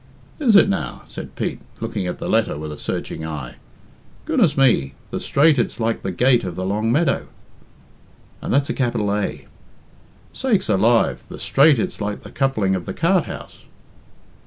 "Is it, now?" said Pete, looking at the letter with a searching eye. "Goodness me, the straight it's like the gate of the long meadow." "And that's a capital A." "Sakes alive, the straight it's like the coupling of the cart house."